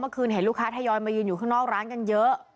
เมื่อคืนเห็นลูกค้าทยอยมายืนอยู่ข้างนอกร้านกันเยอะ